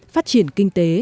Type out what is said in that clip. phát triển kinh tế